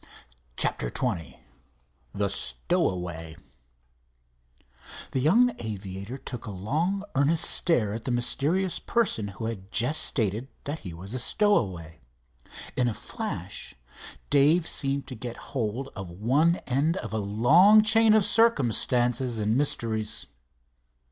CHAPTER XX THE STOWAWAY The young aviator took a long, earnest stare at the mysterious person who had just stated that he was a stowaway. In a flash Dave seemed to get hold of one end of a long chain of circumstances and mysteries.